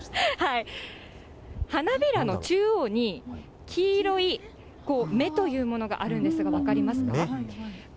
花びらの中央に、黄色い目というものがあるんですが、分かりますか？